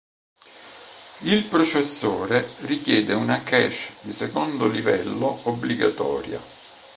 Il processore richiede una cache di secondo livello obbligatoria.